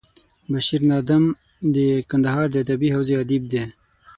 بشیر نادم د کندهار د ادبي حوزې ادیب دی.